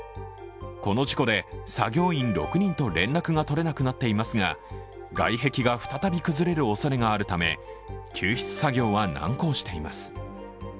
この事故で作業員６人と連絡が取れなくなっていますが、外壁が再び崩れるおそれがあるため救出作業は難航しています。